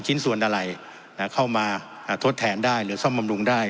ชิ้นส่วนอะไรเข้ามาทดแทนได้หรือซ่อมบำรุงได้